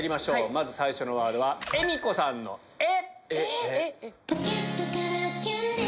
まず最初のワードは恵美子さんの「え」。